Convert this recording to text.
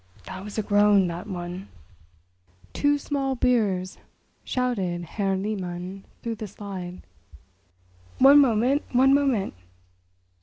That was a groan—that one!" "Two small beers," shouted Herr Lehmann through the slide. "One moment, one moment."